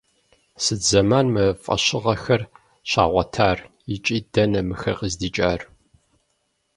Сыт зэман мы фӀэщыгъэхэр щагъуэтар, икӀи дэнэ мыхэр къыздикӀар?